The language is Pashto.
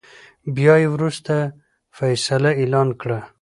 بيا يې ورورستۍ فيصله اعلان کړه .